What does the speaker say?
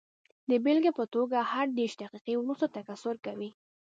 د بېلګې په توګه هر دېرش دقیقې وروسته تکثر کوي.